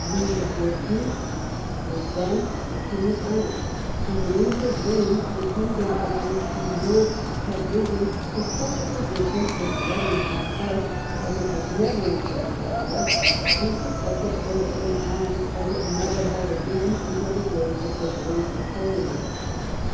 Louis the Fourteenth was then King of France, and during his reign the kingdom over which he ruled had risen to such a position in letters and arts as it had never enjoyed before, and to such a place in arms as it never held again until the days of the Great Napo leon.